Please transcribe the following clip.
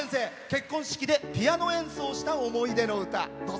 結婚式でピアノ演奏した思い出の歌。